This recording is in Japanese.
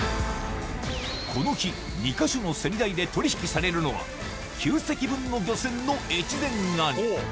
この日２か所のセリ台で取引されるのは９隻分の漁船の越前がに